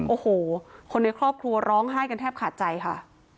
โอ้โหคนในครอบครัวร้องไห้กันแทบขาดใจค่ะ